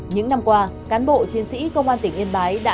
những năm qua cán bộ chiến sĩ công an tỉnh yên bái đã nắm vững địa bàn